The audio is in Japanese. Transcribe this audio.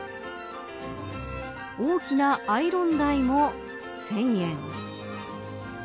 大きなアイロン台も１０００円。